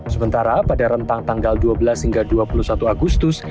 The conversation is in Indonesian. sementara pada rentang tanggal dua belas hingga dua puluh satu agustus